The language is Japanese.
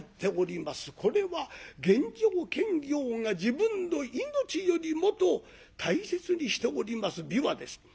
これは玄城検校が自分の命よりもと大切にしております琵琶です。